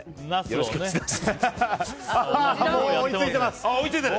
よろしくお願いします。